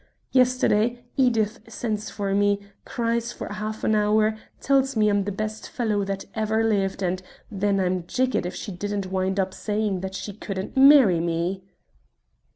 Yesterday Edith sends for me, cries for half an hour, tells me I'm the best fellow that ever lived, and then I'm jiggered if she didn't wind up by saying that she couldn't marry me."